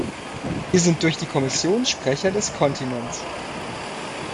Wir sind durch die Kommission Sprecher des Kontinents.